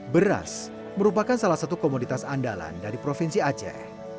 beras merupakan salah satu komoditas andalan dari provinsi aceh